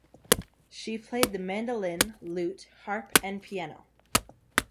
She played the mandolin, lute, harp and piano.